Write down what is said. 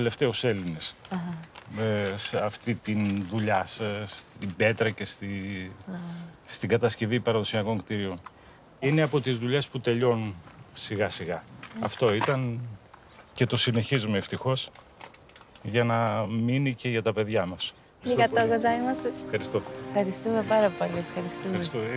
ありがとうございます。